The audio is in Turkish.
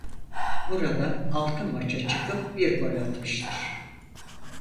Burada altı maça çıkıp bir gol atmıştır.